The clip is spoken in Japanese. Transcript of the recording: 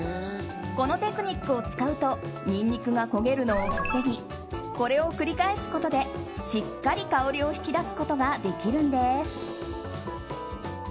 このテクニックを使うとニンニクが焦げるのを防ぎこれを繰り返すことでしっかり香りを引き出すことができるんです。